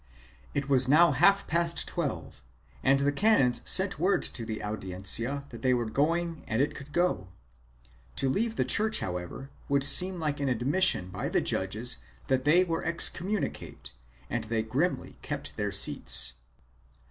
It was now half past twelve and the canons sent word to the Audiencia, that they were going and it could go. To leave the church, however, would seem like an admission by the judges that they were excommunicate and they grimly kept their seats.